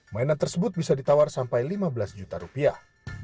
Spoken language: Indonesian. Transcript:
mainan tersebut bisa ditawar sampai lima belas juta rupiah